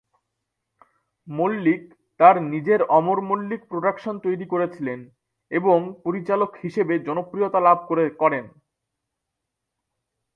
মল্লিক তার নিজের অমর মল্লিক প্রোডাকশন তৈরি করেছিলেন এবং পরিচালক হিসেবে জনপ্রিয়তা লাভ করেন।